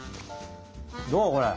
どうこれ？